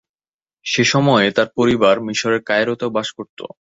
সে সময়ে তার পরিবার মিশরের কায়রোতে বাস করতো।